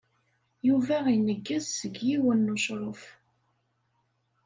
Yuba ineggez seg yiwen n ucṛuf.